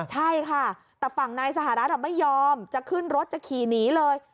ใช่ค่ะแต่ฝั่งนายสหรัฐไม่ยอมจะขึ้นรถจะขี่หนีเลย